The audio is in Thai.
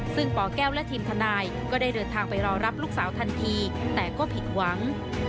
ซึ่งปแก้วและทีมทนายก็ได้เดินทางไปรอรับลูกสาวทันทีแต่ก็ผิดหวัง